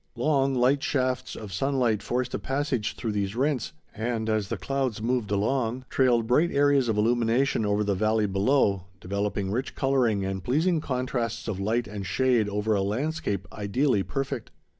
Long, light shafts of sunlight forced a passage through these rents, and, as the clouds moved along, trailed bright areas of illumination over the valley below, developing rich coloring and pleasing contrasts of light and shade over a landscape ideally perfect.